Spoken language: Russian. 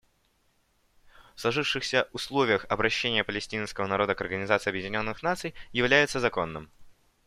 В сложившихся условиях обращение палестинского народа к Организации Объединенных Наций является законным.